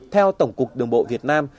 theo tổng cục đường bộ việt nam